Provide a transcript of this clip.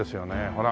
ほら。